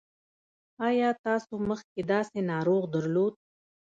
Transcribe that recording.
ایا تاسو مخکې داسې ناروغ درلود؟